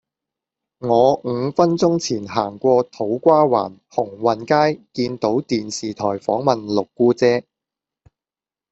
我五分鐘前行過土瓜灣鴻運街見到電視台訪問六姑姐